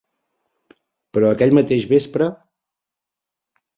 Però aquell mateix vespre...